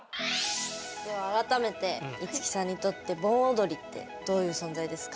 では改めて樹さんにとって盆踊りってどういう存在ですか？